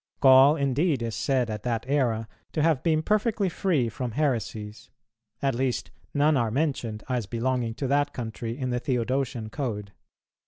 Gaul indeed is said at that era to have been perfectly free from heresies; at least none are mentioned as belonging to that country in the Theodosian Code.